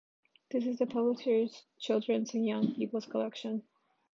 This is the publisher's children's and young people's collection.